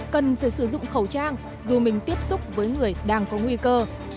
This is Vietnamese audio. cần phải sử dụng khẩu trang dù mình tiếp xúc với người đang có nguy cơ